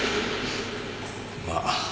まあ。